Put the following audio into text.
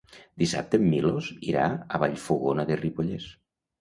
Dissabte en Milos irà a Vallfogona de Ripollès.